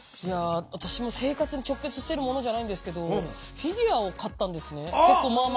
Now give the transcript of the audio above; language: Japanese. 生活に直結しているものじゃないんですけどフィギュアを買ったんですね。